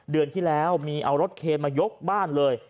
เดือนที่แล้วมีเอารถเคนมายกบ้านเลย